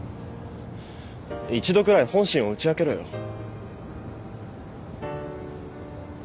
一度ぐらい本心を打ち明けろよ。